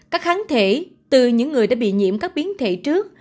các kháng thể từ những người đã bị nhiễm các biến thể trước